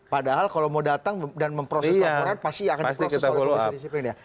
padahal kalau mau datang dan memproses laporan pasti akan diproses oleh komisi disiplin ya